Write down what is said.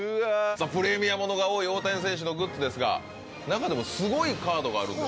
プレミア物が多い大谷選手のグッズですが中でもすごいカードがあるんです。